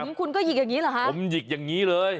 คุณก็หยิกอย่างนี้เหรอฮะผมหยิกอย่างนี้เลย